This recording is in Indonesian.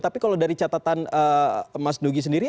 tapi kalau dari catatan mas nugi sendiri